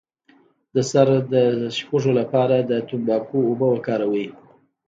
د سر د سپږو لپاره د تنباکو اوبه وکاروئ